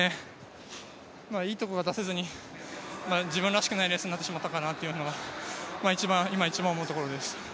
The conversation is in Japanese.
いいところが出せずに、自分らしくないレースになってしまったかなというのが今一番思うところです。